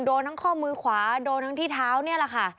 โดนทั้งข้อมือขวาโดนทั้งที่เท้านี่แหละค่ะ